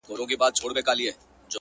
ښاا ځې نو.